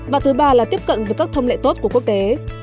và thứ ba là tiếp cận với các thông lệ tốt của quốc tế